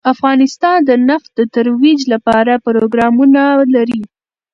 افغانستان د نفت د ترویج لپاره پروګرامونه لري.